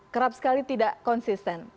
kerap sekali tidak konsisten